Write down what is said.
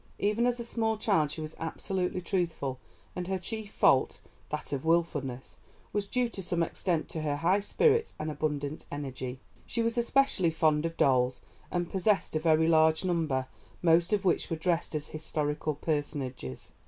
Even as a small child she was absolutely truthful, and her chief fault that of wilfulness was due to some extent to her high spirits and abundant energy. She was especially fond of dolls, and possessed a very large number, most of which were dressed as historical personages.